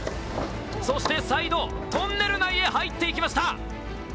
そして再度トンネル内へ入っていきました。